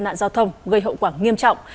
cảnh sát giao thông gây hậu quả nghiêm trọng